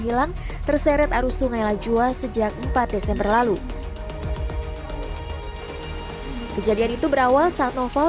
hilang terseret arus sungai lajua sejak empat desember lalu kejadian itu berawal saat novel